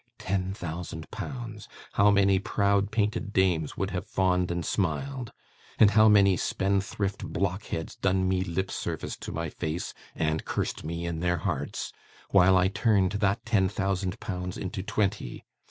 Ten thousand pounds! How many proud painted dames would have fawned and smiled, and how many spendthrift blockheads done me lip service to my face and cursed me in their hearts, while I turned that ten thousand pounds into twenty!